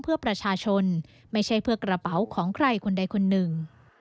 เพื่อประชาชนไม่ใช่เพื่อกระเป๋าของใครคนใดคนหนึ่ง